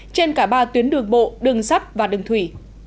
trên cả ba tuyến đường bộ đường sắt và đường thủy